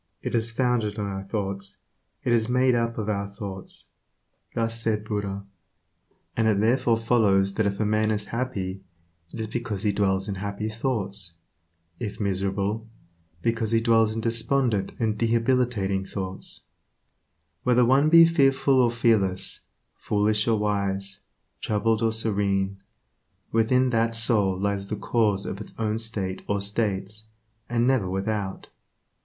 It is founded on our thoughts; it is made up of our thoughts." Thus said Buddha, and it therefore follows that if a man is happy, it is because he dwells in happy thoughts; if miserable, because he dwells in despondent and debilitating thoughts, Whether one be fearful or fearless, foolish or wise, troubled or serene, within that soul lies the cause of its own state or states, and never without.